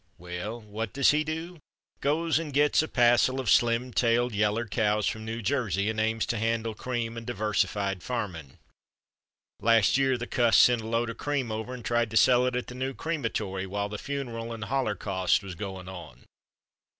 Well, what does he do? Goes and gits a passle of slim tailed, yeller cows from New Jersey and aims to handle cream and diversified farming. Last year the cuss sent a load of cream over and tried to sell it at the new creamatory while the funeral and hollercost was goin' on.